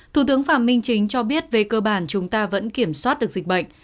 thủ tướng phạm minh chính cho biết về cơ bản chúng ta vẫn kiểm soát được dịch bệnh